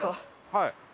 はい。